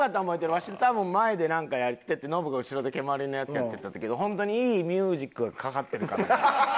わし多分前でなんかやっててノブが後ろで蹴鞠のやつやってた時ホントにいいミュージックがかかってるかのような。